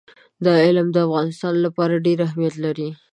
دا علم د افغانستان لپاره ډېر اهمیت لري.